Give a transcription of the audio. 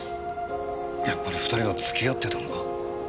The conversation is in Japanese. やっぱり２人は付き合ってたのか。